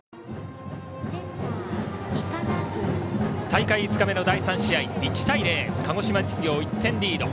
大会５日目の第３試合１対０、鹿児島実業が１点リード。